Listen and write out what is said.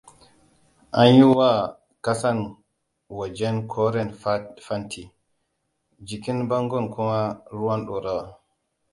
An yiwa ƙasan wajen koren fanti, jikin bangon kuma ruwan ɗorawa.